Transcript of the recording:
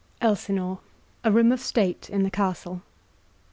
Elsinore. A room of state in the Castle.